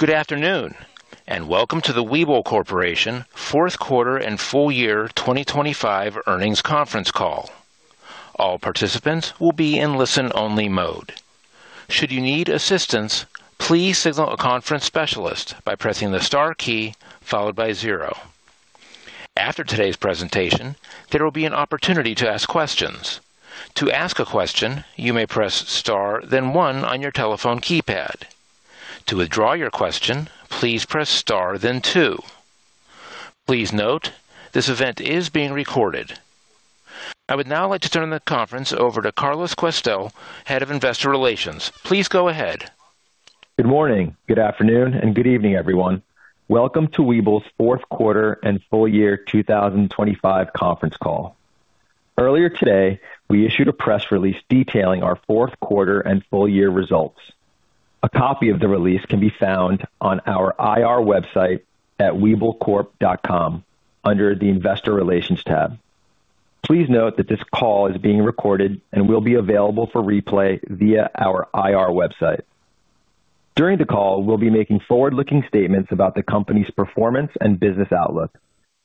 Good afternoon, welcome to the Webull Corporation fourth quarter and full year 2025 earnings conference call. All participants will be in listen-only mode. Should you need assistance, please signal a conference specialist by pressing the star key followed by zero. After today's presentation, there will be an opportunity to ask questions. To ask a question, you may press star, then one on your telephone keypad. To withdraw your question, please press star then two. Please note, this event is being recorded. I would now like to turn the conference over to Carlos Questel, Head of Investor Relations. Please go ahead. Good morning, good afternoon, and good evening, everyone. Welcome to Webull's fourth quarter and full year 2025 conference call. Earlier today, we issued a press release detailing our fourth quarter and full year results. A copy of the release can be found on our IR website at webullcorp.com under the Investor Relations tab. Please note that this call is being recorded and will be available for replay via our IR website. During the call, we'll be making forward-looking statements about the company's performance and business outlook.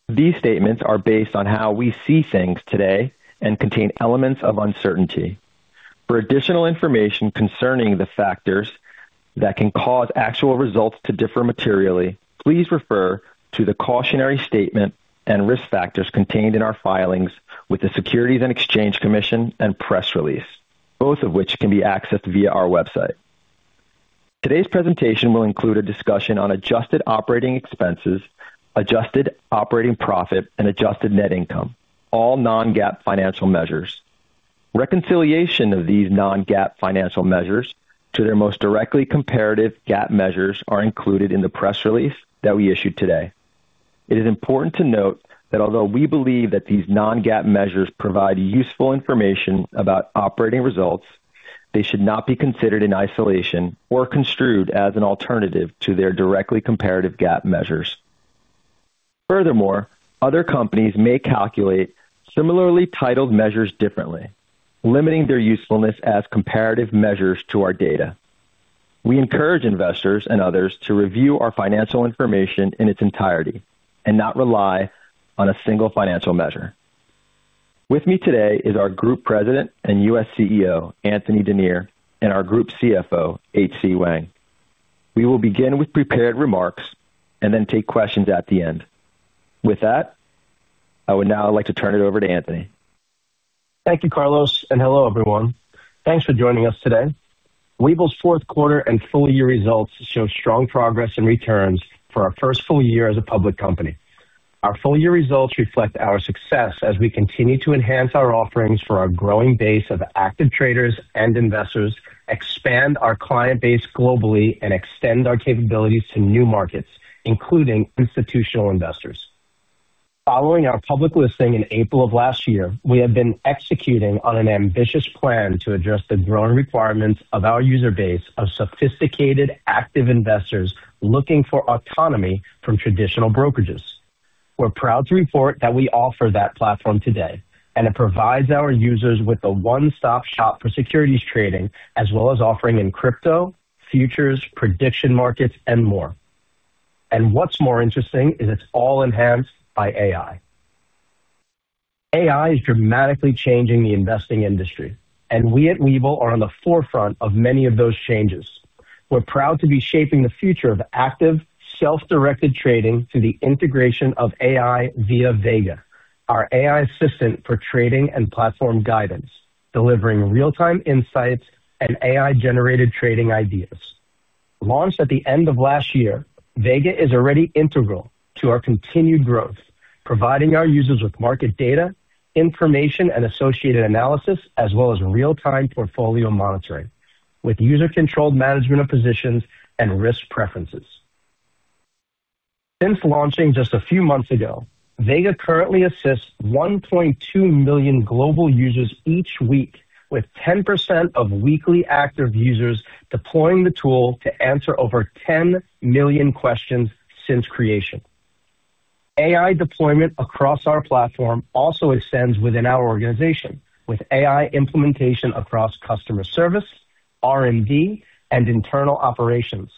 These statements are based on how we see things today and contain elements of uncertainty. For additional information concerning the factors that can cause actual results to differ materially, please refer to the cautionary statement and risk factors contained in our filings with the Securities and Exchange Commission and press release, both of which can be accessed via our website. Today's presentation will include a discussion on adjusted operating expenses, adjusted operating profit, and adjusted net income, all non-GAAP financial measures. Reconciliation of these non-GAAP financial measures to their most directly comparative GAAP measures are included in the press release that we issued today. It is important to note that although we believe that these non-GAAP measures provide useful information about operating results, they should not be considered in isolation or construed as an alternative to their directly comparative GAAP measures. Furthermore, other companies may calculate similarly titled measures differently, limiting their usefulness as comparative measures to our data. We encourage investors and others to review our financial information in its entirety and not rely on a single financial measure. With me today is our Group President and US CEO, Anthony Denier, and our Group CFO, H.C. Wang. We will begin with prepared remarks and then take questions at the end. With that, I would now like to turn it over to Anthony. Thank you, Carlos, and hello, everyone. Thanks for joining us today. Webull's fourth quarter and full-year results show strong progress and returns for our first full year as a public company. Our full-year results reflect our success as we continue to enhance our offerings for our growing base of active traders and investors, expand our client base globally, and extend our capabilities to new markets, including institutional investors. Following our public listing in April of last year, we have been executing on an ambitious plan to address the growing requirements of our user base of sophisticated active investors looking for autonomy from traditional brokerages. We're proud to report that we offer that platform today, and it provides our users with a one-stop shop for securities trading, as well as offering in crypto, futures, prediction markets, and more. What's more interesting is it's all enhanced by AI. AI is dramatically changing the investing industry, and we at Webull are on the forefront of many of those changes. We're proud to be shaping the future of active, self-directed trading through the integration of AI via Vega, our AI assistant for trading and platform guidance, delivering real-time insights and AI-generated trading ideas. Launched at the end of last year, Vega is already integral to our continued growth, providing our users with market data, information, and associated analysis, as well as real-time portfolio monitoring with user-controlled management of positions and risk preferences. Since launching just a few months ago, Vega currently assists 1.2 million global users each week, with 10% of weekly active users deploying the tool to answer over 10 million questions since creation. AI deployment across our platform also extends within our organization with AI implementation across customer service, R&D, and internal operations.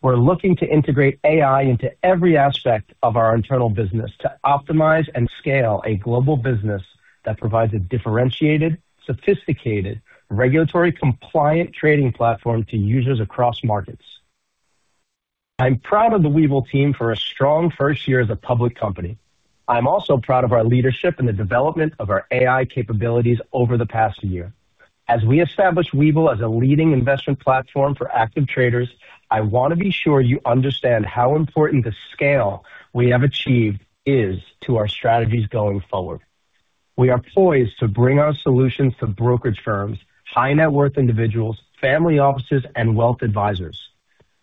We're looking to integrate AI into every aspect of our internal business to optimize and scale a global business that provides a differentiated, sophisticated, regulatory compliant trading platform to users across markets. I'm proud of the Webull team for a strong first year as a public company. I'm also proud of our leadership in the development of our AI capabilities over the past year. As we establish Webull as a leading investment platform for active traders, I want to be sure you understand how important the scale we have achieved is to our strategies going forward. We are poised to bring our solutions to brokerage firms, high-net-worth individuals, family offices, and wealth advisors.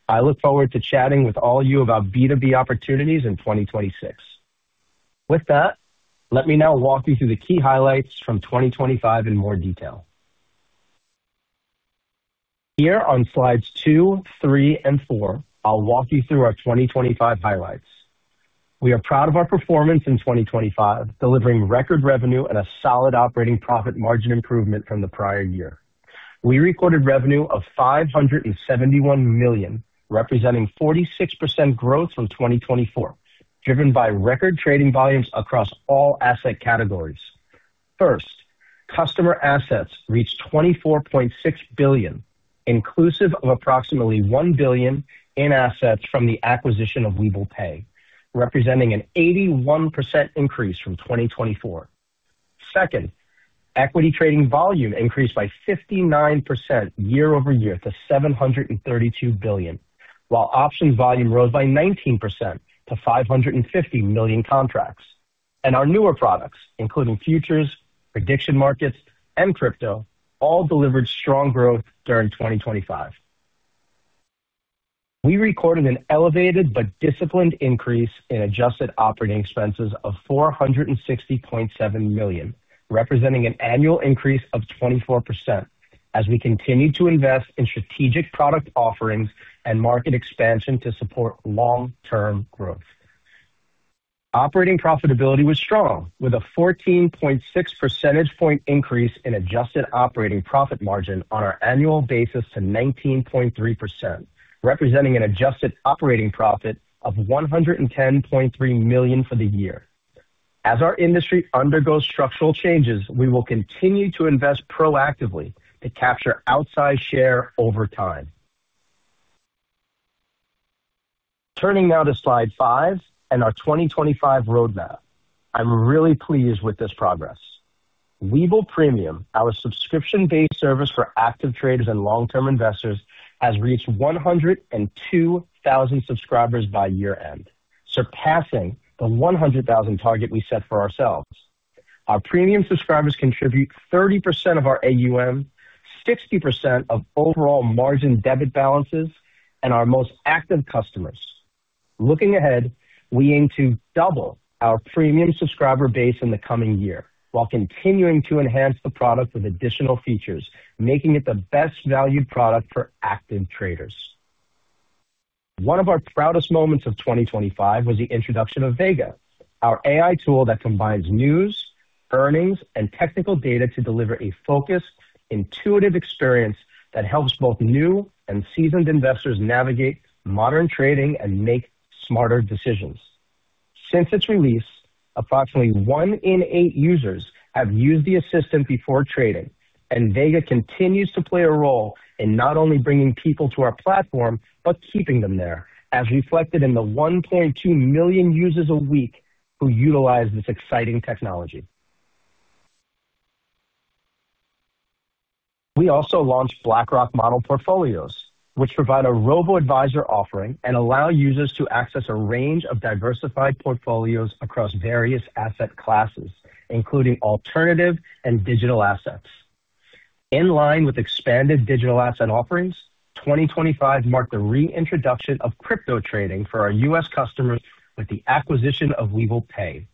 I look forward to chatting with all of you about B2B opportunities in 2026. With that, let me now walk you through the key highlights from 2025 in more detail. Here on slides two, three, and four, I'll walk you through our 2025 highlights. We are proud of our performance in 2025, delivering record revenue and a solid operating profit margin improvement from the prior year. We recorded revenue of $571 million, representing 46% growth from 2024, driven by record trading volumes across all asset categories. First, customer assets reached $24.6 billion, inclusive of approximately $1 billion in assets from the acquisition of Webull Pay, representing an 81% increase from 2024. Second, equity trading volume increased by 59% year-over-year to $732 billion, while options volume rose by 19% to 550 million contracts. Our newer products, including futures, prediction markets, and crypto, all delivered strong growth during 2025. We recorded an elevated but disciplined increase in adjusted operating expenses of $460.7 million, representing an annual increase of 24% as we continue to invest in strategic product offerings and market expansion to support long-term growth. Operating profitability was strong with a 14.6 percentage point increase in adjusted operating profit margin on our annual basis to 19.3%, representing an adjusted operating profit of $110.3 million for the year. Turning now to slide 5 and our 2025 roadmap. I'm really pleased with this progress. Webull Premium, our subscription-based service for active traders and long-term investors, has reached 102,000 subscribers by year-end, surpassing the 100,000 target we set for ourselves. Our premium subscribers contribute 30% of our AUM, 60% of overall margin debit balances and our most active customers. Looking ahead, we aim to double our premium subscriber base in the coming year while continuing to enhance the product with additional features, making it the best value product for active traders. One of our proudest moments of 2025 was the introduction of Vega, our AI tool that combines news, earnings, and technical data to deliver a focused, intuitive experience that helps both new and seasoned investors navigate modern trading and make smarter decisions. Since its release, approximately one in eight users have used the assistant before trading, and Vega continues to play a role in not only bringing people to our platform, but keeping them there, as reflected in the 1.2 million users a week who utilize this exciting technology. We also launched BlackRock model portfolios, which provide a robo-advisor offering and allow users to access a range of diversified portfolios across various asset classes, including alternative and digital assets. In line with expanded digital asset offerings, 2025 marked the reintroduction of crypto trading for our U.S. customers with the acquisition of Webull Pay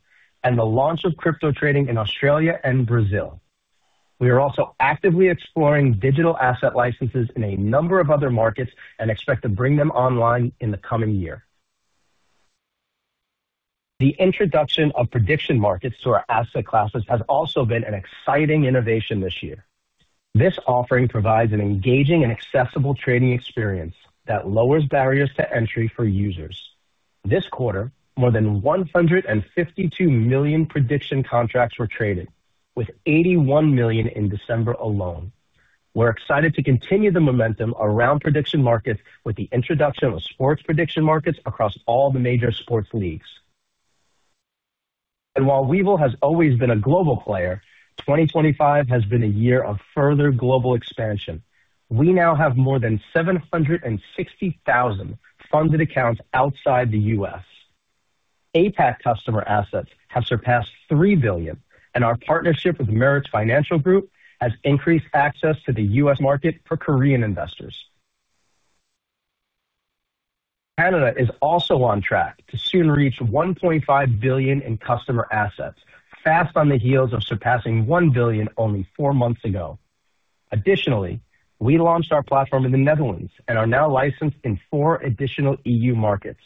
and the launch of crypto trading in Australia and Brazil. We are also actively exploring digital asset licenses in a number of other markets and expect to bring them online in the coming year. The introduction of prediction markets to our asset classes has also been an exciting innovation this year. This offering provides an engaging and accessible trading experience that lowers barriers to entry for users. This quarter, more than 152 million prediction contracts were traded, with 81 million in December alone. We're excited to continue the momentum around prediction markets with the introduction of sports prediction markets across all the major sports leagues. While Webull has always been a global player, 2025 has been a year of further global expansion. We now have more than 760,000 funded accounts outside the U.S. APAC customer assets have surpassed $3 billion, and our partnership with Meritz Financial Group has increased access to the U.S. market for Korean investors. Canada is also on track to soon reach $1.5 billion in customer assets, fast on the heels of surpassing $1 billion only four months ago. Additionally, we launched our platform in the Netherlands and are now licensed in four additional EU markets,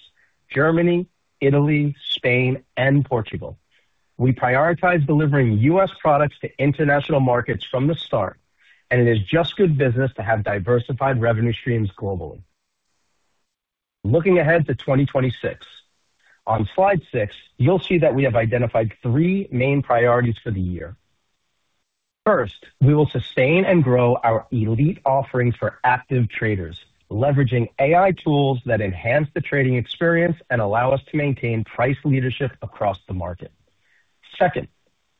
Germany, Italy, Spain, and Portugal. We prioritize delivering U.S. products to international markets from the start. It is just good business to have diversified revenue streams globally. Looking ahead to 2026. On slide seven, you'll see that we have identified three main priorities for the year. First, we will sustain and grow our elite offerings for active traders, leveraging AI tools that enhance the trading experience and allow us to maintain price leadership across the market. Second,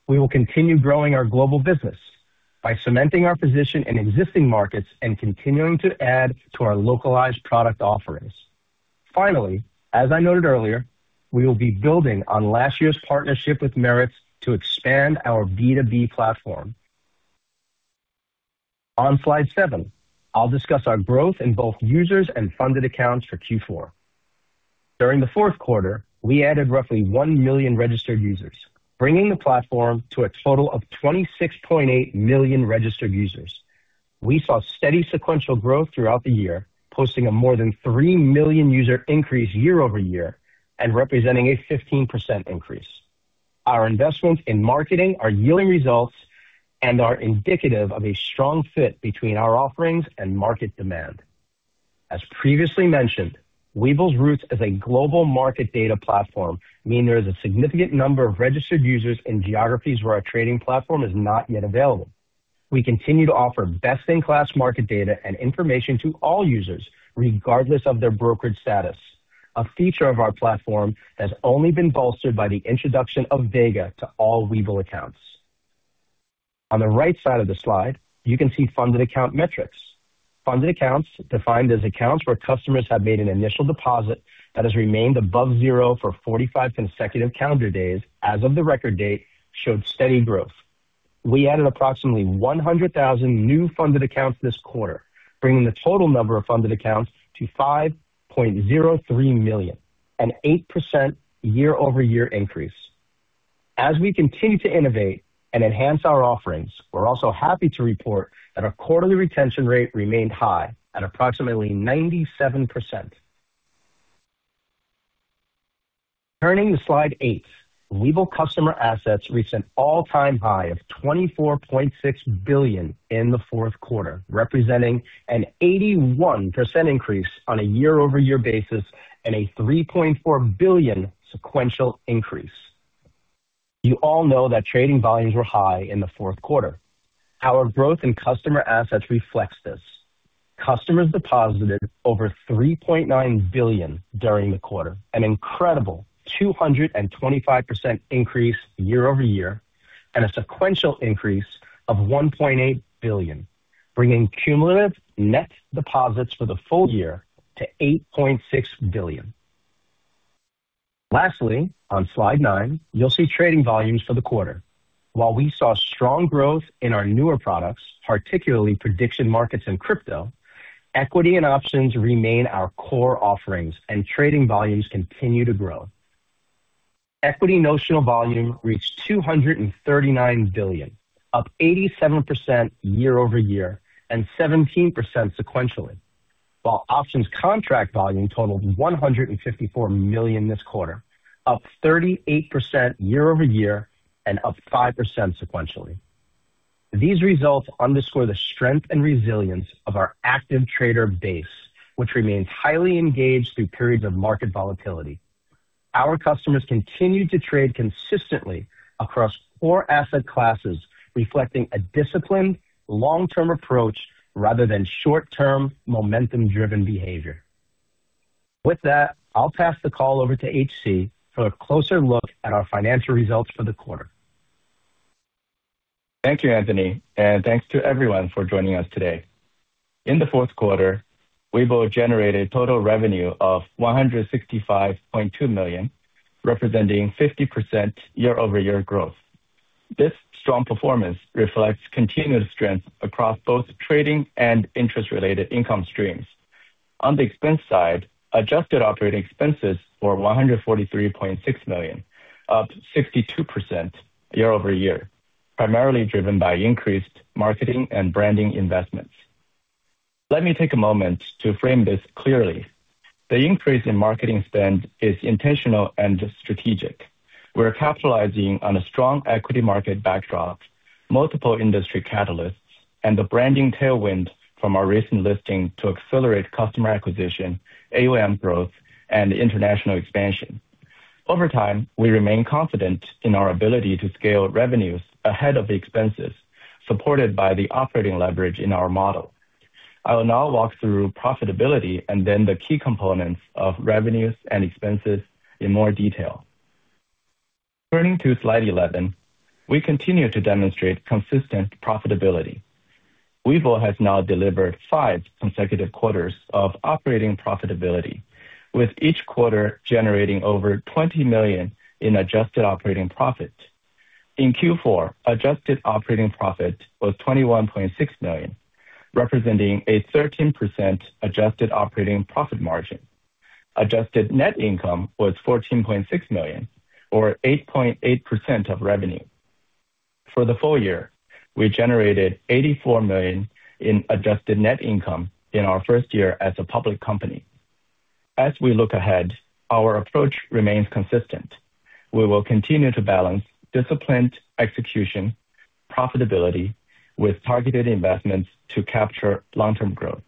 we will continue growing our global business by cementing our position in existing markets and continuing to add to our localized product offerings. As I noted earlier, we will be building on last year's partnership with Meritz to expand our B2B platform. On slide seven, I'll discuss our growth in both users and funded accounts for Q4. During the fourth quarter, we added roughly 1 million registered users, bringing the platform to a total of 26.8 million registered users. We saw steady sequential growth throughout the year, posting a more than 3 million user increase year-over-year and representing a 15% increase. Our investments in marketing are yielding results and are indicative of a strong fit between our offerings and market demand. As previously mentioned, Webull's roots as a global market data platform mean there is a significant number of registered users in geographies where our trading platform is not yet available. We continue to offer best-in-class market data and information to all users, regardless of their brokerage status, a feature of our platform that has only been bolstered by the introduction of Vega to all Webull accounts. On the right side of the slide, you can see funded account metrics. Funded accounts, defined as accounts where customers have made an initial deposit that has remained above zero for 45 consecutive calendar days as of the record date, showed steady growth. We added approximately 100,000 new funded accounts this quarter, bringing the total number of funded accounts to 5.03 million, an 8% year-over-year increase. As we continue to innovate and enhance our offerings, we're also happy to report that our quarterly retention rate remained high at approximately 97%. Turning to slide 8, Webull customer assets reached an all-time high of $24.6 billion in the fourth quarter, representing an 81% increase on a year-over-year basis and a $3.4 billion sequential increase. You all know that trading volumes were high in the fourth quarter. Our growth in customer assets reflects this. Customers deposited over $3.9 billion during the quarter, an incredible 225% increase year-over-year, and a sequential increase of $1.8 billion, bringing cumulative net deposits for the full year to $8.6 billion. Lastly, on slide nine, you'll see trading volumes for the quarter. While we saw strong growth in our newer products, particularly prediction markets and crypto, equity and options remain our core offerings and trading volumes continue to grow. Equity notional volume reached $239 billion, up 87% year-over-year, and 17% sequentially. While options contract volume totaled $154 million this quarter, up 38% year-over-year, and up 5% sequentially. These results underscore the strength and resilience of our active trader base, which remains highly engaged through periods of market volatility. Our customers continue to trade consistently across four asset classes, reflecting a disciplined long-term approach rather than short-term, momentum-driven behavior. With that, I'll pass the call over to HC for a closer look at our financial results for the quarter. Thank you, Anthony, and thanks to everyone for joining us today. In the fourth quarter, Webull generated total revenue of $165.2 million, representing 50% year-over-year growth. This strong performance reflects continued strength across both trading and interest-related income streams. On the expense side, adjusted operating expenses were $143.6 million, up 62% year-over-year, primarily driven by increased marketing and branding investments. Let me take a moment to frame this clearly. The increase in marketing spend is intentional and strategic. We're capitalizing on a strong equity market backdrop, multiple industry catalysts, and the branding tailwind from our recent listing to accelerate customer acquisition, AUM growth, and international expansion. Over time, we remain confident in our ability to scale revenues ahead of the expenses, supported by the operating leverage in our model. I will now walk through profitability and then the key components of revenues and expenses in more detail. Turning to slide 11, we continue to demonstrate consistent profitability. Webull has now delivered five consecutive quarters of operating profitability, with each quarter generating over $20 million in adjusted operating profit. In Q4, adjusted operating profit was $21.6 million, representing a 13% adjusted operating profit margin. Adjusted net income was $14.6 million, or 8.8% of revenue. For the full year, we generated $84 million in adjusted net income in our first year as a public company. As we look ahead, our approach remains consistent. We will continue to balance disciplined execution, profitability with targeted investments to capture long-term growth.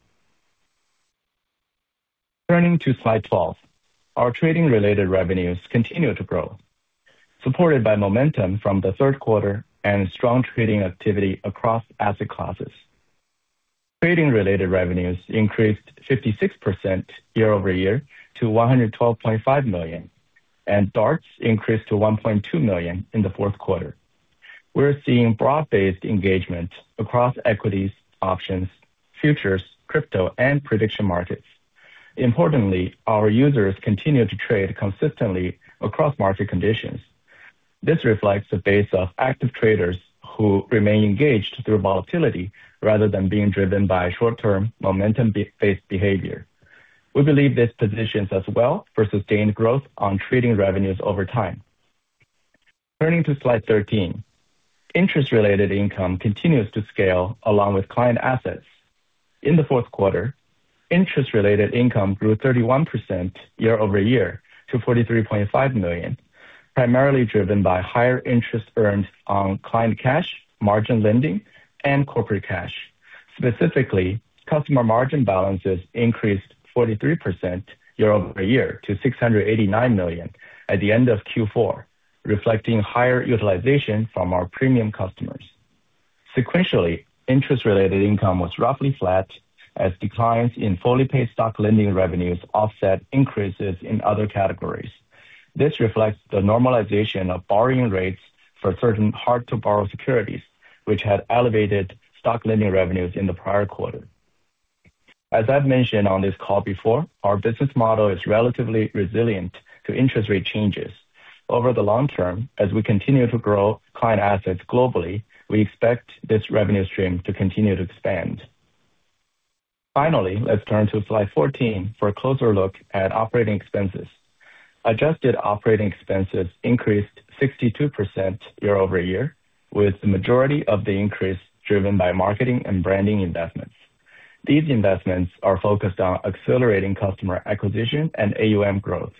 Turning to slide 12, our trading-related revenues continue to grow, supported by momentum from the third quarter and strong trading activity across asset classes. Trading-related revenues increased 56% year-over-year to $112.5 million, and DARTs increased to 1.2 million in the fourth quarter. We're seeing broad-based engagement across equities, options, futures, crypto, and prediction markets. Importantly, our users continue to trade consistently across market conditions. This reflects the base of active traders who remain engaged through volatility rather than being driven by short-term, momentum-based behavior. We believe this positions us well for sustained growth on trading revenues over time. Turning to slide 13, interest-related income continues to scale along with client assets. In the fourth quarter, interest-related income grew 31% year-over-year to $43.5 million, primarily driven by higher interest earned on client cash, margin lending, and corporate cash. Specifically, customer margin balances increased 43% year-over-year to $689 million at the end of Q4, reflecting higher utilization from our premium customers. Sequentially, interest-related income was roughly flat as declines in fully paid stock lending revenues offset increases in other categories. This reflects the normalization of borrowing rates for certain hard-to-borrow securities, which had elevated stock lending revenues in the prior quarter. As I've mentioned on this call before, our business model is relatively resilient to interest rate changes. Over the long term, as we continue to grow client assets globally, we expect this revenue stream to continue to expand. Finally, let's turn to slide 14 for a closer look at operating expenses. Adjusted operating expenses increased 62% year-over-year, with the majority of the increase driven by marketing and branding investments. These investments are focused on accelerating customer acquisition and AUM growth,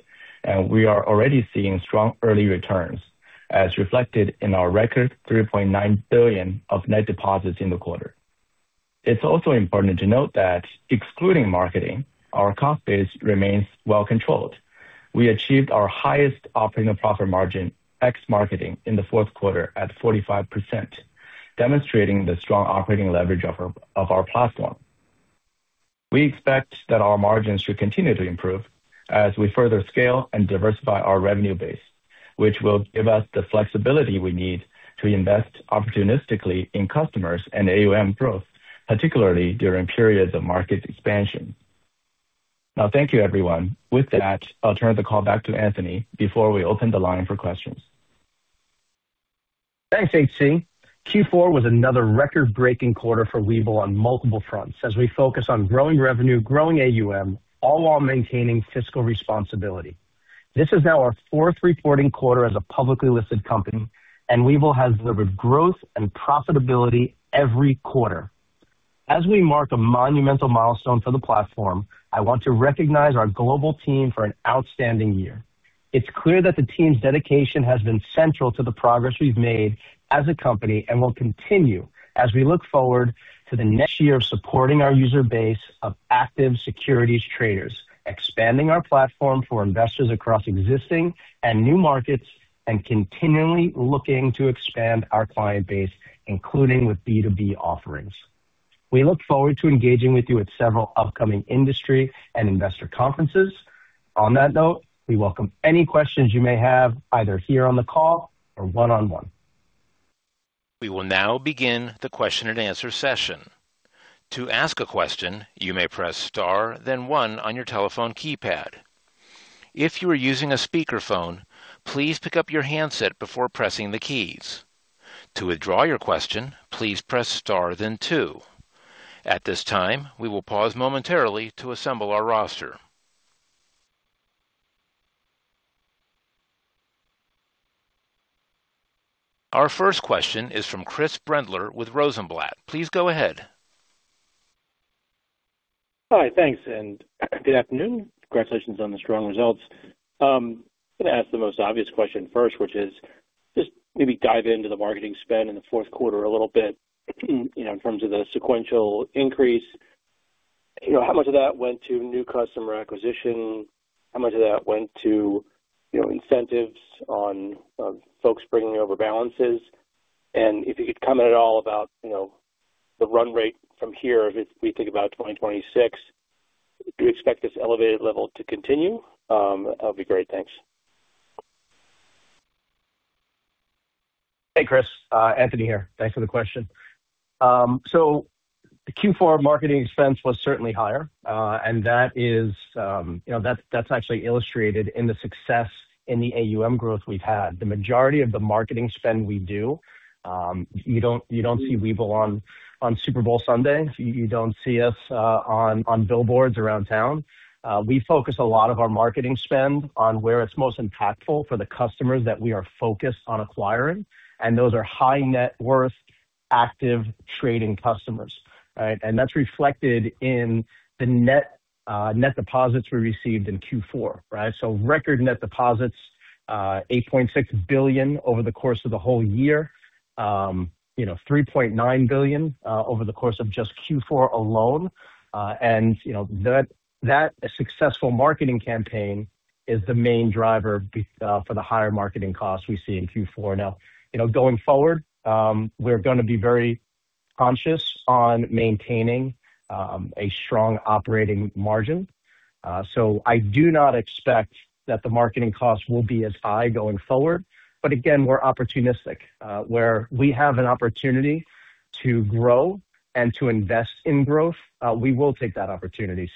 and we are already seeing strong early returns, as reflected in our record $3.9 billion of net deposits in the quarter. It's also important to note that excluding marketing, our cost base remains well controlled. We achieved our highest operating profit margin ex-marketing in the fourth quarter at 45%, demonstrating the strong operating leverage of our platform. We expect that our margins should continue to improve as we further scale and diversify our revenue base, which will give us the flexibility we need to invest opportunistically in customers and AUM growth, particularly during periods of market expansion. Thank you, everyone. With that, I'll turn the call back to Anthony before we open the line for questions. Thanks, HC. Q4 was another record-breaking quarter for Webull on multiple fronts as we focus on growing revenue, growing AUM, all while maintaining fiscal responsibility. This is now our fourth reporting quarter as a publicly listed company, and Webull has delivered growth and profitability every quarter. As we mark a monumental milestone for the platform, I want to recognize our global team for an outstanding year. It's clear that the team's dedication has been central to the progress we've made as a company and will continue as we look forward to the next year of supporting our user base of active securities traders, expanding our platform for investors across existing and new markets, and continually looking to expand our client base, including with B2B offerings. We look forward to engaging with you at several upcoming industry and investor conferences. On that note, we welcome any questions you may have, either here on the call or one-on-one. We will now begin the question-and-answer session. To ask a question, you may press star then one on your telephone keypad. If you are using a speakerphone, please pick up your handset before pressing the keys. To withdraw your question, please press star then two. At this time, we will pause momentarily to assemble our roster. Our first question is from Chris Brendler with Rosenblatt. Please go ahead. Hi. Thanks, and good afternoon. Congratulations on the strong results. gonna ask the most obvious question first, which is just maybe dive into the marketing spend in the fourth quarter a little bit, you know, in terms of the sequential increase. You know, how much of that went to new customer acquisition? How much of that went to, you know, incentives on folks bringing over balances? If you could comment at all about, you know, the run rate from here, if we think about 2026, do you expect this elevated level to continue? That'd be great. Thanks. Hey, Chris. Anthony here. Thanks for the question. Q4 marketing expense was certainly higher, and that is, you know, that's actually illustrated in the success in the AUM growth we've had. The majority of the marketing spend we do, you don't see Webull on Super Bowl Sunday. You don't see us on billboards around town. We focus a lot of our marketing spend on where it's most impactful for the customers that we are focused on acquiring, and those are high net worth active trading customers, right? That's reflected in the net deposits we received in Q4, right? Record net deposits, $8.6 billion over the course of the whole year. you know, $3.9 billion over the course of just Q4 alone. You know, that successful marketing campaign is the main driver for the higher marketing costs we see in Q4. You know, going forward, we're gonna be very conscious on maintaining a strong operating margin. I do not expect that the marketing costs will be as high going forward, but again, we're opportunistic. Where we have an opportunity to grow and to invest in growth, we will take that opportunity.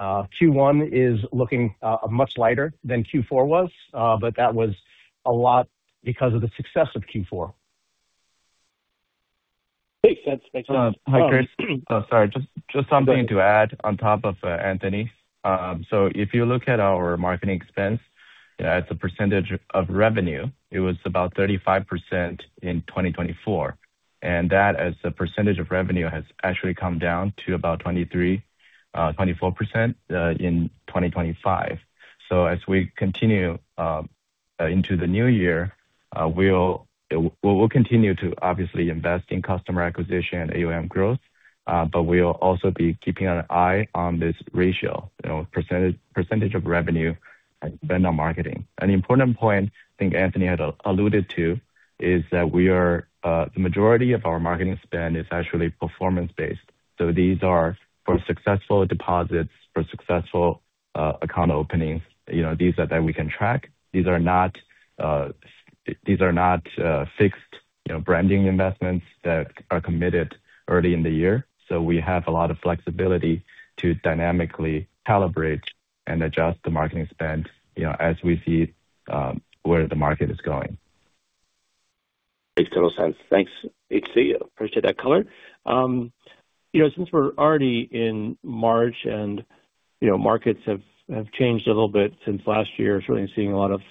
Q1 is looking much lighter than Q4 was, but that was a lot because of the success of Q4. Makes sense. Thanks. Hi, Chris. Sorry, just something to add on top of Anthony. If you look at our marketing expense as a percentage of revenue, it was about 35% in 2024, and that as a percentage of revenue has actually come down to about 23%-24% in 2025. As we continue into the new year, we will continue to obviously invest in customer acquisition and AUM growth, but we'll also be keeping an eye on this ratio, you know, percentage of revenue spent on marketing. An important point I think Anthony had alluded to is that we are, the majority of our marketing spend is actually performance-based. These are for successful deposits, for successful account openings. You know, these are that we can track. These are not fixed, you know, branding investments that are committed early in the year. We have a lot of flexibility to dynamically calibrate and adjust the marketing spend, you know, as we see, where the market is going. Makes total sense. Thanks, HC. Appreciate that color. you know, since we're already in March and, you know, markets have changed a little bit since last year, certainly seeing a lot of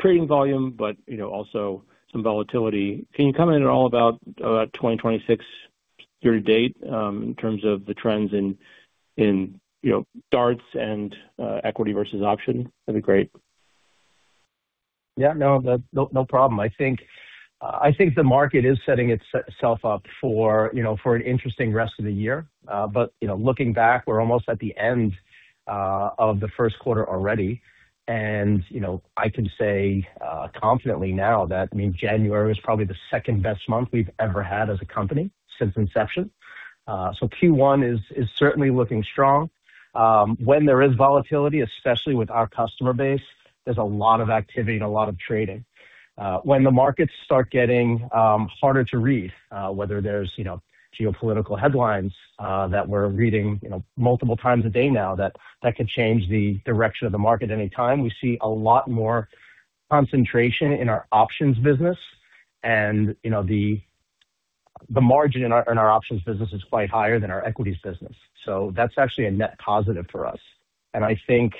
trading volume, but, you know, also some volatility. Can you comment at all about 2026 year-to-date, in terms of the trends in, you know, DARTs and equity versus option? That'd be great. Yeah, no, that's no problem. I think the market is setting itself up for, you know, for an interesting rest of the year. You know, looking back, we're almost at the end of the first quarter already. You know, I can say, confidently now that, I mean, January is probably the second-best month we've ever had as a company since inception. Q1 is certainly looking strong. When there is volatility, especially with our customer base, there's a lot of activity and a lot of trading. When the markets start getting harder to read, whether there's, you know, geopolitical headlines, that we're reading, you know, multiple times a day now that could change the direction of the market at any time, we see a lot more concentration in our options business. You know, the margin in our options business is quite higher than our equities business. That's actually a net positive for us. I think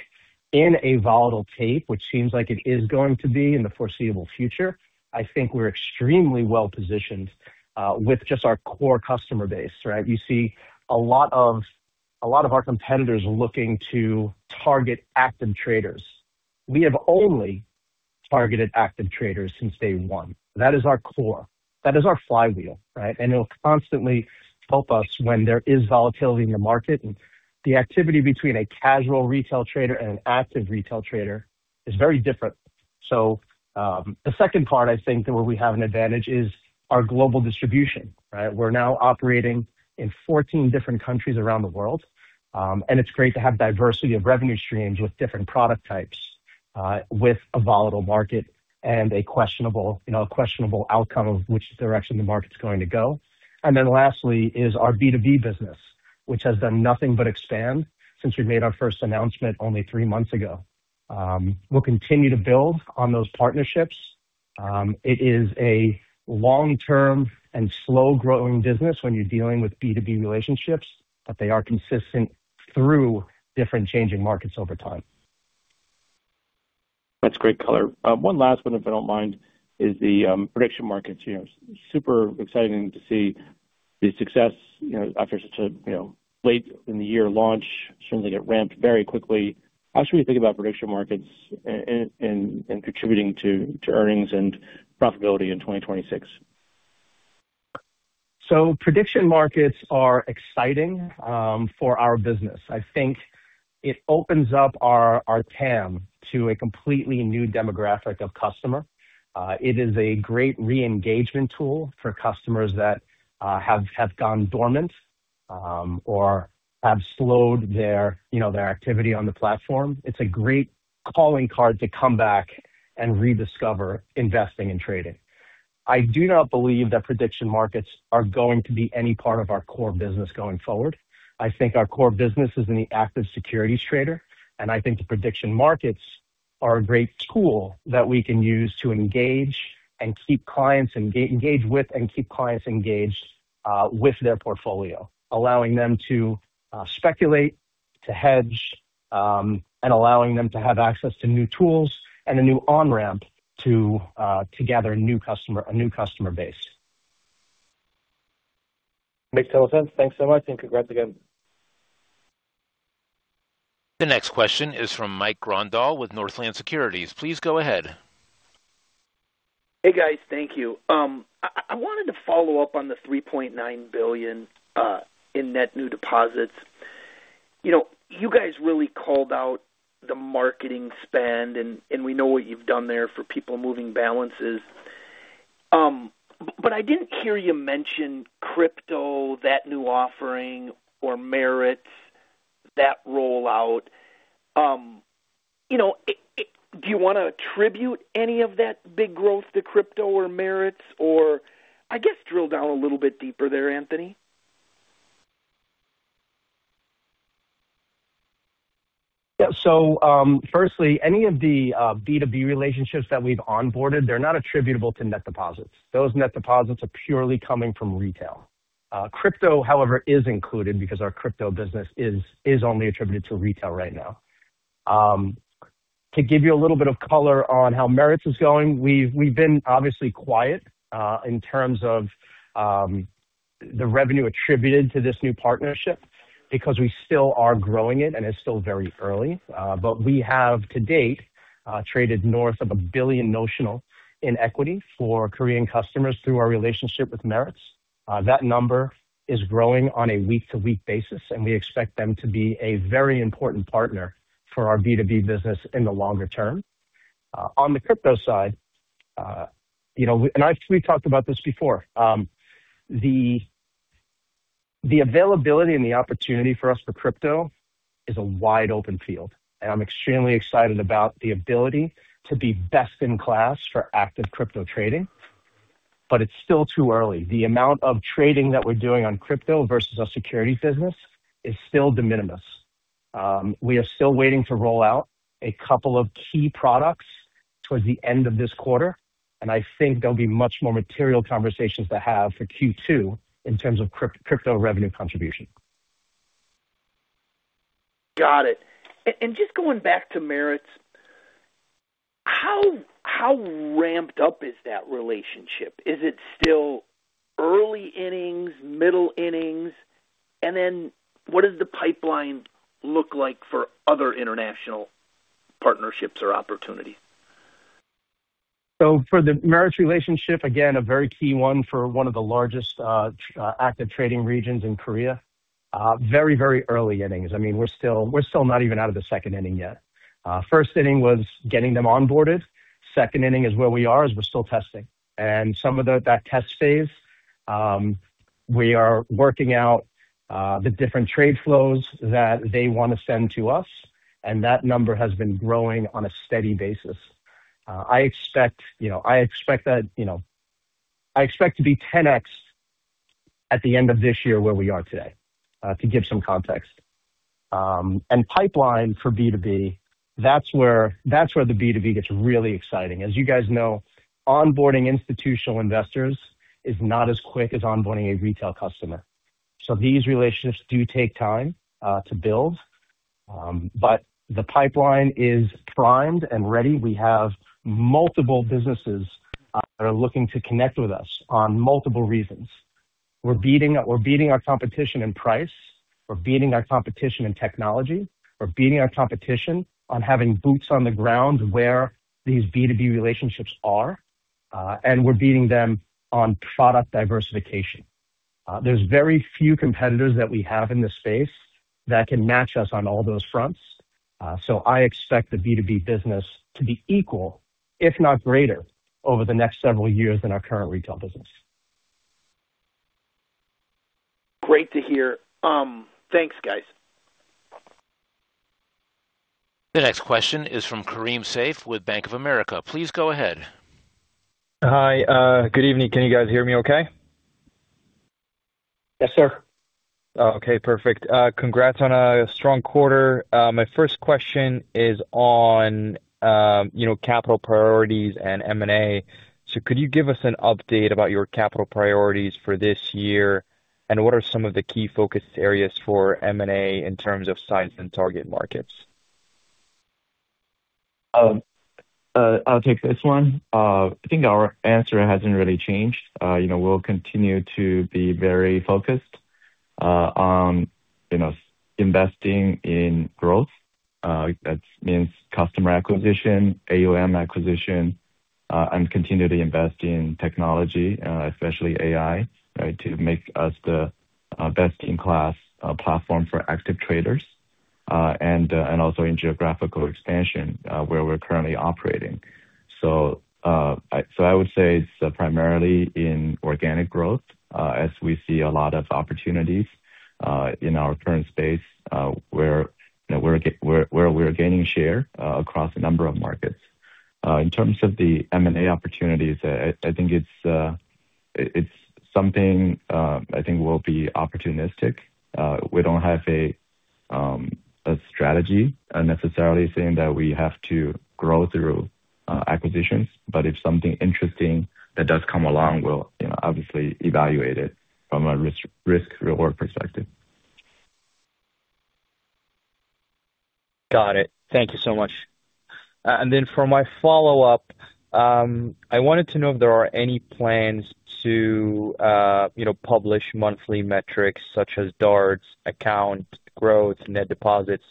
in a volatile tape, which seems like it is going to be in the foreseeable future, I think we're extremely well-positioned with just our core customer base, right? You see a lot of our competitors looking to target active traders. We have only targeted active traders since day one. That is our core, that is our flywheel, right? It'll constantly help us when there is volatility in the market. The activity between a casual retail trader and an active retail trader is very different. The second part, I think that where we have an advantage is our global distribution, right? We're now operating in 14 different countries around the world. It's great to have diversity of revenue streams with different product types, with a volatile market and a questionable, you know, a questionable outcome of which direction the market's going to go. Lastly is our B2B business, which has done nothing but expand since we made our first announcement only three months ago. We'll continue to build on those partnerships. It is a long-term and slow-growing business when you're dealing with B2B relationships, but they are consistent through different changing markets over time. That's great color. One last one, if I don't mind, is the prediction markets. You know, super exciting to see the success, you know, after such a, you know, late in the year launch, certainly get ramped very quickly. How should we think about prediction markets in contributing to earnings and profitability in 2026? Prediction markets are exciting for our business. I think it opens up our TAM to a completely new demographic of customer. It is a great re-engagement tool for customers that have gone dormant or have slowed their, you know, their activity on the platform. It's a great calling card to come back and rediscover investing and trading. I do not believe that prediction markets are going to be any part of our core business going forward. I think our core business is in the active securities trader. I think the prediction markets are a great tool that we can use to engage with and keep clients engaged with their portfolio, allowing them to speculate, to hedge, and allowing them to have access to new tools and a new on-ramp to gather a new customer base. Makes total sense. Thanks so much, and congrats again. The next question is from Mike Grondahl with Northland Securities. Please go ahead. Hey, guys. Thank you. I wanted to follow up on the $3.9 billion in net new deposits. You know, you guys really called out the marketing spend, and we know what you've done there for people moving balances. I didn't hear you mention crypto, that new offering, or Meritz, that rollout. You know, do you wanna attribute any of that big growth to crypto or Meritz? I guess drill down a little bit deeper there, Anthony. Firstly, any of the B2B relationships that we've onboarded, they're not attributable to net deposits. Those net deposits are purely coming from retail. Crypto, however, is included because our crypto business is only attributed to retail right now. To give you a little bit of color on how Meritz is going, we've been obviously quiet in terms of the revenue attributed to this new partnership because we still are growing it and it's still very early. But we have to date traded north of $1 billion notional in equity for Korean customers through our relationship with Meritz. That number is growing on a week-to-week basis, and we expect them to be a very important partner for our B2B business in the longer term. On the crypto side, you know... We talked about this before. The availability and the opportunity for us for crypto is a wide open field, and I'm extremely excited about the ability to be best in class for active crypto trading. It's still too early. The amount of trading that we're doing on crypto versus our securities business is still de minimis. We are still waiting to roll out a couple of key products towards the end of this quarter, and I think there'll be much more material conversations to have for Q2 in terms of crypto revenue contribution. Got it. Just going back to Meritz, how ramped up is that relationship? Is it still early innings, middle innings? Then what does the pipeline look like for other international partnerships or opportunities? For the Meritz relationship, again, a very key one for one of the largest active trading regions in Korea. Very, very early innings. I mean, we're still not even out of the second inning yet. First inning was getting them onboarded. Second inning is where we are, is we're still testing. That test phase, we are working out the different trade flows that they wanna send to us, and that number has been growing on a steady basis. I expect, you know, I expect to be 10x at the end of this year where we are today to give some context. Pipeline for B2B, that's where the B2B gets really exciting. As you guys know, onboarding institutional investors is not as quick as onboarding a retail customer. These relationships do take time to build. The pipeline is primed and ready. We have multiple businesses that are looking to connect with us on multiple reasons. We're beating our competition in price. We're beating our competition in technology. We're beating our competition on having boots on the ground where these B2B relationships are. We're beating them on product diversification. There's very few competitors that we have in this space that can match us on all those fronts. I expect the B2B business to be equal, if not greater, over the next several years than our current retail business. Great to hear. Thanks, guys. The next question is from Kareem Seif with Bank of America. Please go ahead. Hi. Good evening. Can you guys hear me okay? Yes, sir. Okay, perfect. Congrats on a strong quarter. My first question is on, you know, capital priorities and M&A. Could you give us an update about your capital priorities for this year? What are some of the key focus areas for M&A in terms of size and target markets? I'll take this one. I think our answer hasn't really changed. You know, we'll continue to be very focused on, you know, investing in growth. That means customer acquisition, AUM acquisition, and continually invest in technology, especially AI, right? To make us the best in class platform for active traders. Also in geographical expansion where we're currently operating. I would say it's primarily in organic growth as we see a lot of opportunities in our current space where, you know, we're gaining share across a number of markets. In terms of the M&A opportunities, I think it's something, I think we'll be opportunistic. We don't have a strategy necessarily saying that we have to grow through acquisitions, but if something interesting that does come along, we'll, you know, obviously evaluate it from a risk/reward perspective. Got it. Thank you so much. For my follow-up, I wanted to know if there are any plans to, you know, publish monthly metrics such as DARTs, account growth, net deposits,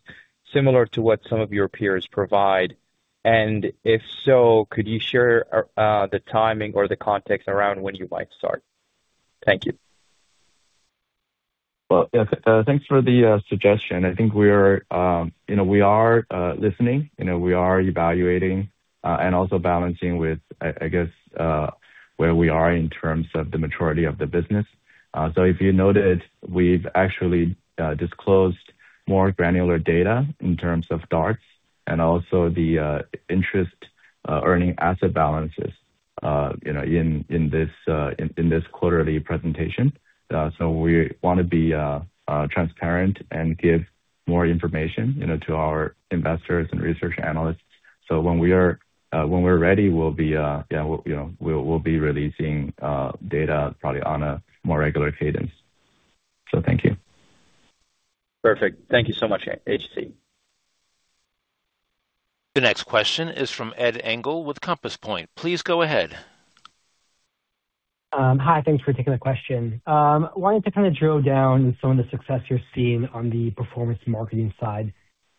similar to what some of your peers provide. If so, could you share, the timing or the context around when you might start? Thank you. Yeah, thanks for the suggestion. I think we're, you know, we are listening, you know, we are evaluating, and also balancing with, I guess, where we are in terms of the maturity of the business. If you noted, we've actually disclosed more granular data in terms of DARTs Also the interest earning asset balances, you know, in this quarterly presentation. We wanna be transparent and give more information, you know, to our investors and research analysts. When we are, when we're ready, we'll be, you know, we'll be releasing data probably on a more regular cadence. Thank you. Perfect. Thank you so much, HT. The next question is from Ed Engel with Compass Point. Please go ahead. Hi, thanks for taking the question. Wanted to kinda drill down some of the success you're seeing on the performance marketing side.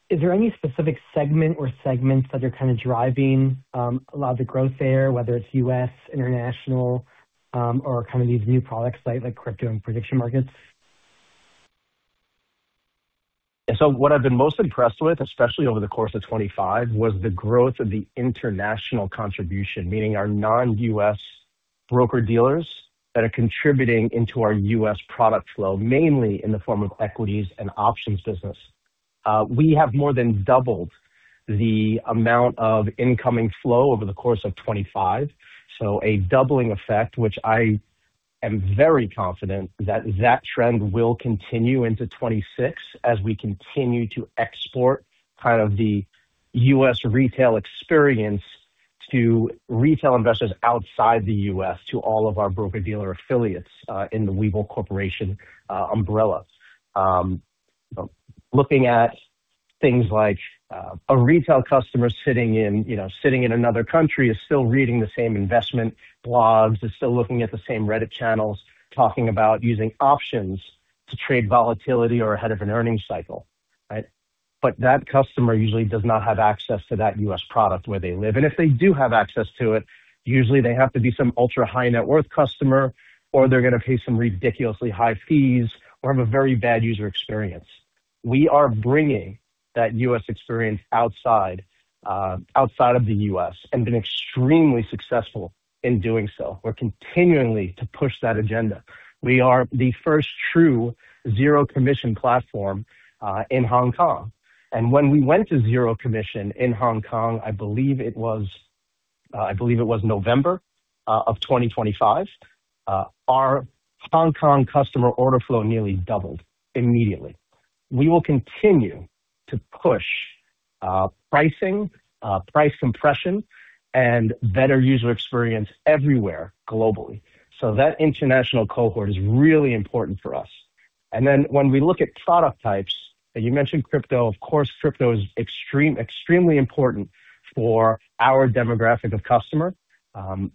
Is there any specific segment or segments that are kinda driving, a lot of the growth there, whether it's U.S., international, or kinda these new products like crypto and prediction markets? What I've been most impressed with, especially over the course of 2025, was the growth of the international contribution, meaning our non-U.S. broker-dealers that are contributing into our U.S. product flow, mainly in the form of equities and options business. We have more than doubled the amount of incoming flow over the course of 2025. A doubling effect, which I am very confident that that trend will continue into 2026 as we continue to export kind of the U.S. retail experience to retail investors outside the U.S., to all of our broker-dealer affiliates in the Webull Corporation umbrella. Looking at things like a retail customer sitting in, you know, sitting in another country is still reading the same investment blogs, is still looking at the same Reddit channels, talking about using options to trade volatility or ahead of an earnings cycle, right? That customer usually does not have access to that U.S. product where they live. If they do have access to it, usually they have to be some ultra-high net worth customer, or they're gonna pay some ridiculously high fees or have a very bad user experience. We are bringing that U.S. experience outside of the U.S., and been extremely successful in doing so. We're continuing to push that agenda. We are the first true zero commission platform in Hong Kong. When we went to zero commission in Hong Kong, I believe it was November of 2025, our Hong Kong customer order flow nearly doubled immediately. We will continue to push pricing, price compression, and better user experience everywhere globally. That international cohort is really important for us. When we look at product types, and you mentioned crypto, of course crypto is extremely important for our demographic of customer.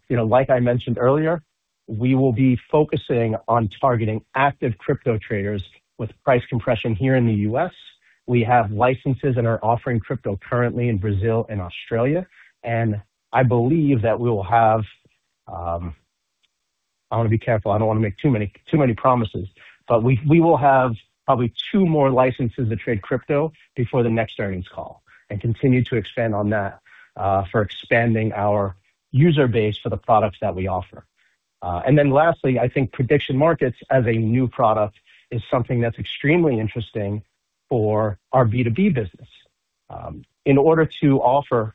You know, like I mentioned earlier, we will be focusing on targeting active crypto traders with price compression here in the U.S. We have licenses and are offering crypto currently in Brazil and Australia, and I believe that we will have... I wanna be careful, I don't wanna make too many promises, but we will have probably two more licenses to trade crypto before the next earnings call and continue to expand on that for expanding our user base for the products that we offer. Lastly, I think prediction markets as a new product is something that's extremely interesting for our B2B business. In order to offer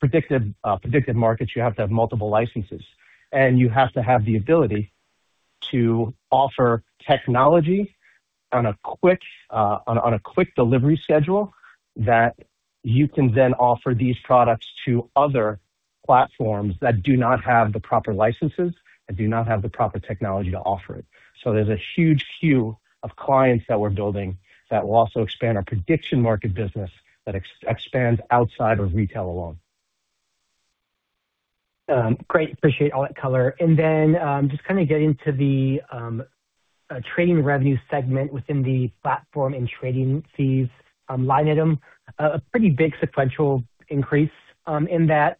predictive markets, you have to have multiple licenses, and you have to have the ability to offer technology on a quick delivery schedule that you can then offer these products to other platforms that do not have the proper licenses and do not have the proper technology to offer it. There's a huge queue of clients that we're building that will also expand our prediction market business that expands outside of retail alone. Great. Appreciate all that color. Then, just kinda get into the trading revenue segment within the platform and trading fees line item. A pretty big sequential increase in that.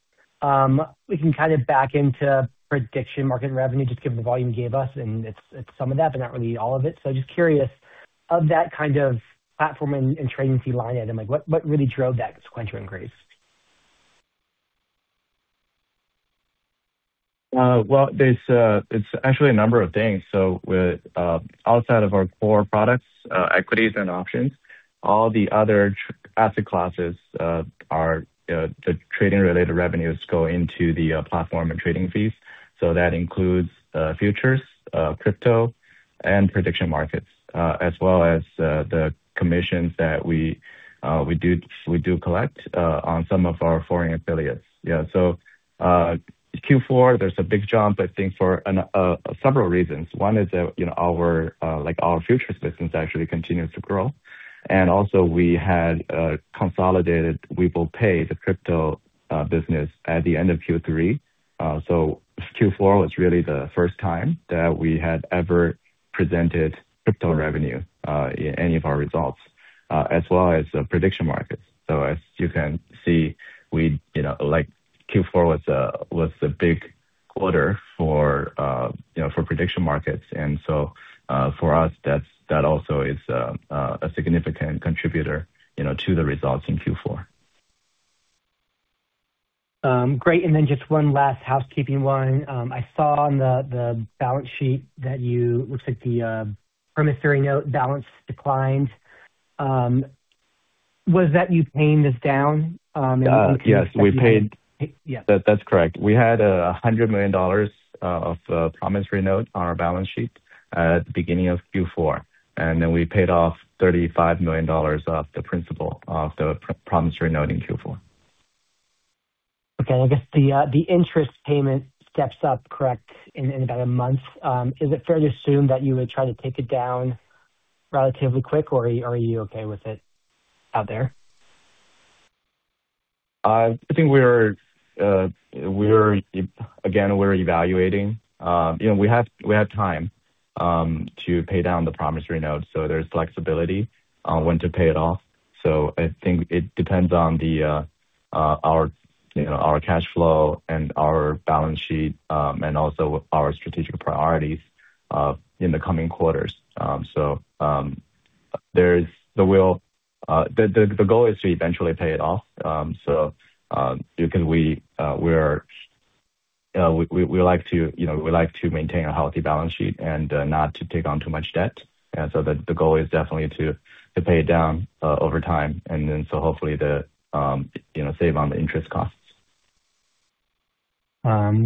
We can kind of back into prediction market revenue just given the volume you gave us, and it's some of that, but not really all of it. Just curious, of that kind of platform and trading fee line item, like what really drove that sequential increase? Well, there's actually a number of things. With outside of our core products, equities and options, all the other asset classes are the trading-related revenues go into the platform and trading fees. That includes futures, crypto, and prediction markets, as well as the commissions that we do collect on some of our foreign affiliates. Q4, there's a big jump, I think, for several reasons. One is that, you know, our like our futures business actually continues to grow. Also we had consolidated Webull Pay, the crypto business, at the end of Q3. Q4 was really the first time that we had ever presented crypto revenue in any of our results, as well as prediction markets. As you can see, we, you know, like Q4 was a big quarter for, you know, for prediction markets. For us, that also is a significant contributor, you know, to the results in Q4. Great. Just one last housekeeping one. I saw on the balance sheet that looks like the promissory note balance declined. Was that you paying this down, in? Yes, we paid. Yeah. That's correct. We had $100 million of promissory note on our balance sheet at the beginning of Q4. Then we paid off $35 million of the principal of the promissory note in Q4. Okay. I guess the interest payment steps up, correct, in about a month? Is it fair to assume that you would try to take it down relatively quick, or are you okay with it out there? I think we're again, we're evaluating. You know, we have, we have time to pay down the promissory note, so there's flexibility on when to pay it off. I think it depends on our, you know, our cash flow and our balance sheet and also our strategic priorities in the coming quarters. There's the will. The goal is to eventually pay it off. Because we like to, you know, we like to maintain a healthy balance sheet and not to take on too much debt. The goal is definitely to pay it down over time, hopefully to, you know, save on the interest costs.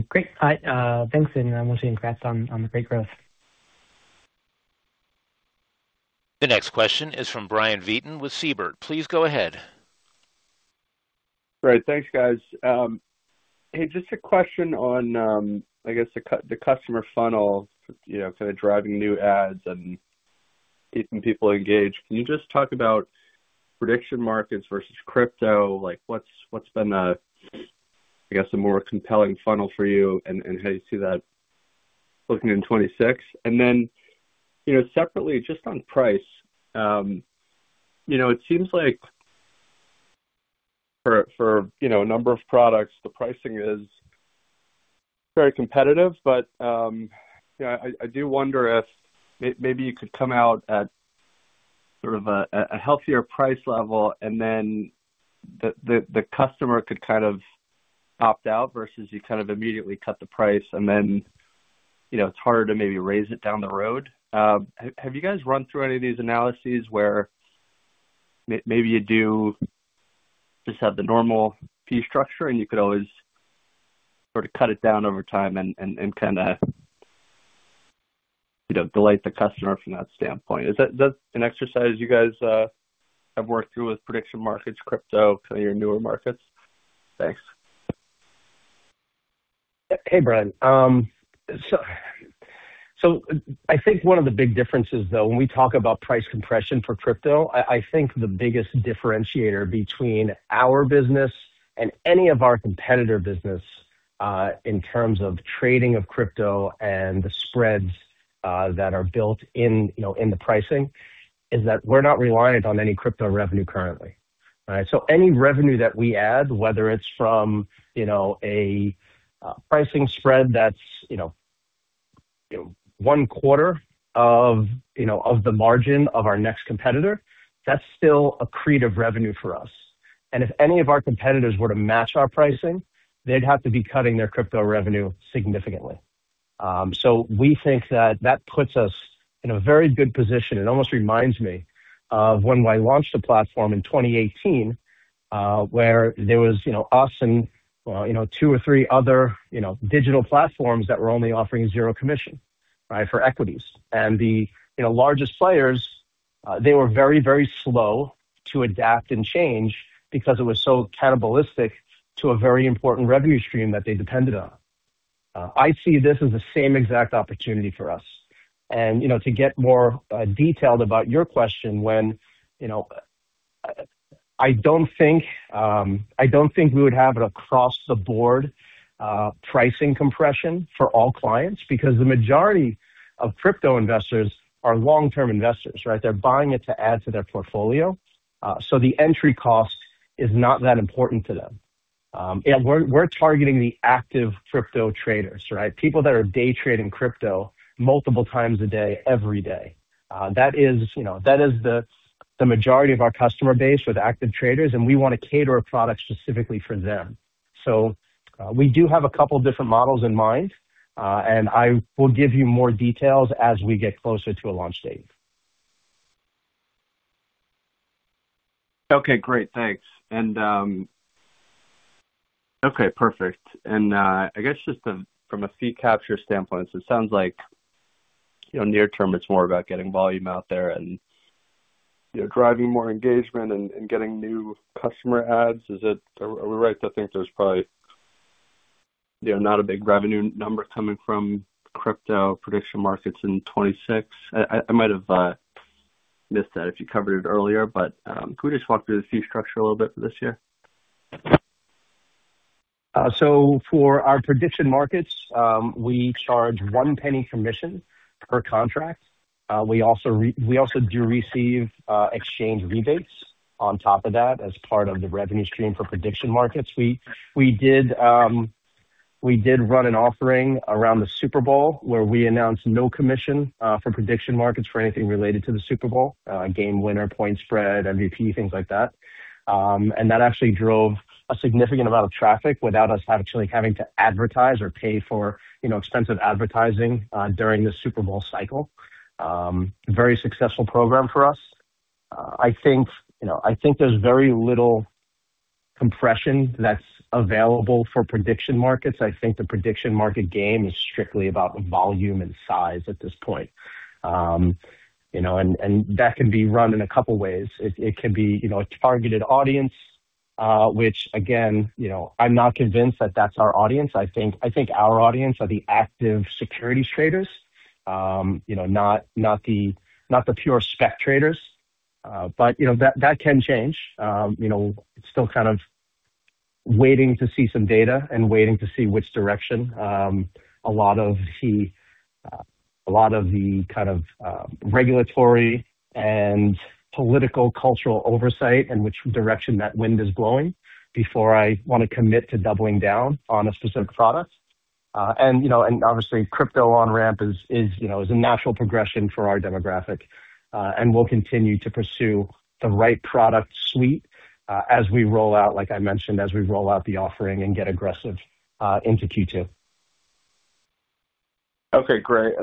great. I, thanks, and I'm wishing congrats on the great growth. The next question is from Brian Vieten with Siebert. Please go ahead. Great. Thanks, guys. Hey, just a question on, I guess the customer funnel, you know, kind of driving new ads and keeping people engaged. Can you just talk about prediction markets versus crypto? Like, what's been the, I guess, the more compelling funnel for you, and how you see that looking in 2026? Then, you know, separately, just on price, you know, it seems like for a number of products, the pricing is very competitive. I do wonder if maybe you could come out at sort of a healthier price level, and then the customer could kind of opt out versus you kind of immediately cut the price and then, you know, it's harder to maybe raise it down the road. Have you guys run through any of these analyses where maybe you do just have the normal fee structure, and you could always sort of cut it down over time and kinda, you know, delight the customer from that standpoint? Is that an exercise you guys have worked through with prediction markets, crypto, some of your newer markets? Thanks. Hey, Brian. I think one of the big differences, though, when we talk about price compression for crypto, I think the biggest differentiator between our business and any of our competitor business in terms of trading of crypto and the spreads that are built in the pricing, is that we're not reliant on any crypto revenue currently, right? Any revenue that we add, whether it's from a pricing spread that's one quarter of the margin of our next competitor, that's still accretive revenue for us. If any of our competitors were to match our pricing, they'd have to be cutting their crypto revenue significantly. We think that that puts us in a very good position. It almost reminds me of when I launched the platform in 2018, where there was, you know, us and, you know, two or three other, you know, digital platforms that were only offering zero commission, right, for equities. The, you know, largest players, they were very, very slow to adapt and change because it was so cannibalistic to a very important revenue stream that they depended on. I see this as the same exact opportunity for us. To get more, you know, detailed about your question when, you know, I don't think we would have an across-the-board pricing compression for all clients because the majority of crypto investors are long-term investors, right? They're buying it to add to their portfolio. The entry cost is not that important to them. We're targeting the active crypto traders, right? People that are day trading crypto multiple times a day, every day. That is, you know, that is the majority of our customer base with active traders. We wanna cater a product specifically for them. We do have a couple different models in mind, and I will give you more details as we get closer to a launch date. Okay, great. Thanks. Okay, perfect. I guess just from a fee capture standpoint, it sounds like, you know, near term, it's more about getting volume out there and, you know, driving more engagement and getting new customer adds. Are we right to think there's probably, you know, not a big revenue number coming from crypto prediction markets in 2026? I might have missed that if you covered it earlier, but could we just walk through the fee structure a little bit for this year? For our prediction markets, we charge 1 penny commission per contract. We also do receive exchange rebates on top of that as part of the revenue stream for prediction markets. We did run an offering around the Super Bowl where we announced no commission for prediction markets for anything related to the Super Bowl, game winner, point spread, MVP, things like that. That actually drove a significant amount of traffic without us actually having to advertise or pay for, you know, expensive advertising during the Super Bowl cycle. Very successful program for us. I think, you know, I think there's very little compression that's available for prediction markets. I think the prediction market game is strictly about volume and size at this point. You know, that can be run in a couple ways. It can be, you know, a targeted audience, which again, you know, I'm not convinced that that's our audience. I think our audience are the active securities traders, you know, not the pure spec traders. You know, that can change. You know, still kind of waiting to see some data and waiting to see which direction, a lot of the kind of, regulatory and political cultural oversight and which direction that wind is blowing before I wanna commit to doubling down on a specific product. You know, and obviously crypto on ramp is, you know, is a natural progression for our demographic. We'll continue to pursue the right product suite, as we roll out, like I mentioned, as we roll out the offering and get aggressive, into Q2. Okay, great.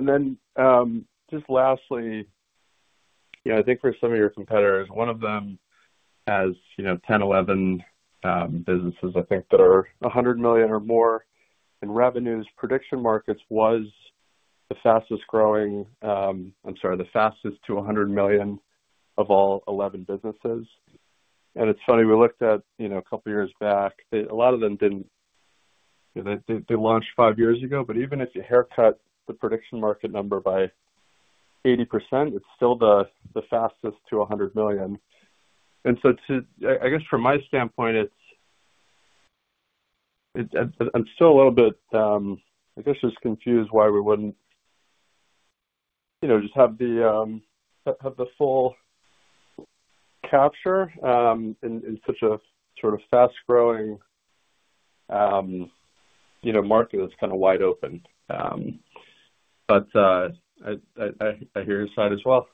Just lastly, you know, I think for some of your competitors, one of them has, you know, 10, 11 businesses, I think that are $100 million or more in revenues. Prediction markets was the fastest growing, I'm sorry, the fastest to $100 million of all 11 businesses. It's funny, we looked at, you know, a couple years back, a lot of them didn't. They launched five years ago, but even if your haircut the prediction market number by 80%, it's still the fastest to $100 million. I guess from my standpoint. I'm still a little bit, I guess just confused why we wouldn't, you know, just have the full capture, in such a sort of fast-growing, you know, market that's kind of wide open. I hear your side as well.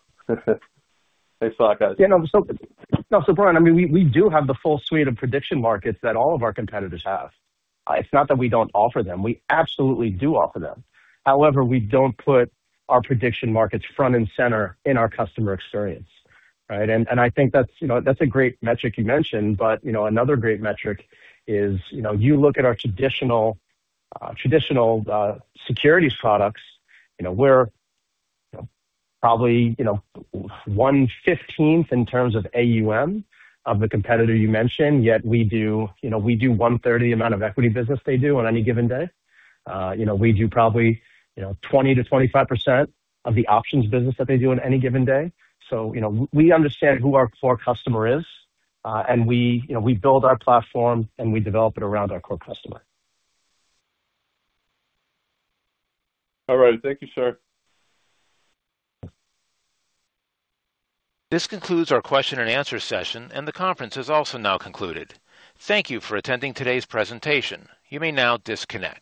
Thanks a lot, guys. Yeah, no, Brian, I mean, we do have the full suite of prediction markets that all of our competitors have. It's not that we don't offer them. We absolutely do offer them. However, we don't put our prediction markets front and center in our customer experience, right? I think that's, you know, that's a great metric you mentioned, but, you know, another great metric is, you know, you look at our traditional securities products, you know, we're, you know, probably, you know, 1/15 in terms of AUM of the competitor you mentioned, yet we do, you know, we do 1/30 amount of equity business they do on any given day. You know, we do probably, you know, 20%-25% of the options business that they do on any given day. You know, we understand who our core customer is, and we, you know, we build our platform, and we develop it around our core customer. All right. Thank you, sir. This concludes our question-and-answer session, and the conference is also now concluded. Thank you for attending today's presentation. You may now disconnect.